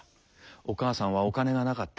お母さんはお金がなかった。